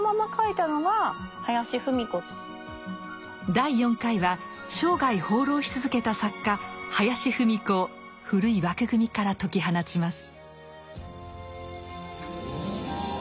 第４回は生涯放浪し続けた作家林芙美子を古い枠組みから解き放ちます。